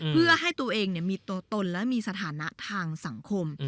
เพื่อให้ตัวเองมีตัวตนและมีสถานะทางสังคม